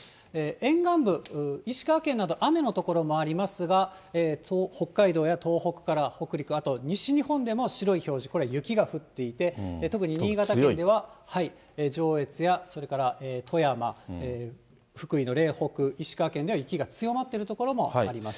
沿岸部、石川県など雨の所もありますが、北海道や東北から北陸、あと西日本でも白い表示、これが雪が降っていて、特に新潟県では上越や、それから富山、福井の嶺北、石川県では雪が強まっている所もあります。